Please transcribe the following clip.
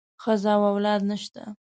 ښځه او اولاد نشته.